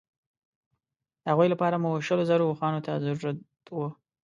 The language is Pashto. د هغوی لپاره مو شلو زرو اوښانو ته ضرورت وو.